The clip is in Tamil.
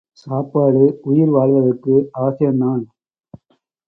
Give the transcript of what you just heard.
சாப்பாடு உயிர் வாழ்வதற்கு அவசியந்தான்.